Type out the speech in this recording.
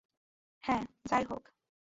হ্যাঁ, যাইহোক।